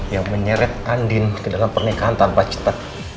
yang menyeret andin ke dalam pernikahan tanpa cetak